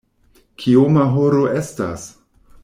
Kioma horo estas?